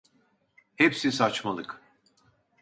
Hepsi saçmalık.